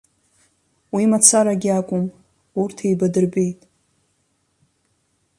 Уи мацарагьы акәым, урҭ еибадырбеит.